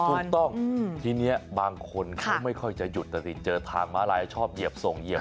ถูกต้องทีนี้บางคนเขาไม่ค่อยจะหยุดนะสิเจอทางม้าลายชอบเหยียบส่งเหยียบ